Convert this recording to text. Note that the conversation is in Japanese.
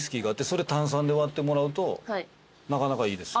それ炭酸で割ってもらうとなかなかいいです。